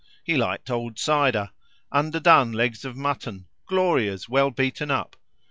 He liked old cider, underdone legs of mutton, glorias well beaten up.